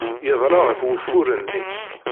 Yedla ɣef wufur-nni.